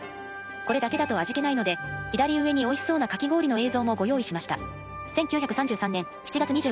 これだけだと味気ないので左上においしそうなかき氷の映像もご用意しました。